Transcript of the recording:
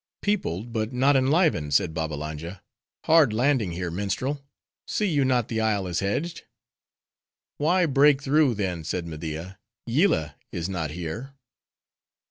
"Peopled but not enlivened," said Babbalanja. "Hard landing here, minstrel! see you not the isle is hedged?" "Why, break through, then," said Media. "Yillah is not here."